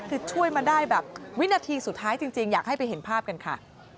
คือช่วยมาได้แบบวินาทีสุดท้ายจริงอยากให้ไปเห็นภาพกันค่ะ